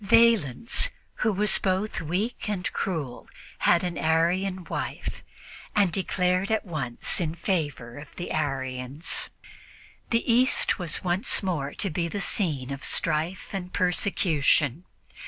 Valens, who was both weak and cruel, had an Arian wife and declared at once in favor of the Arians. The East was once more to be the scene of strife and persecution.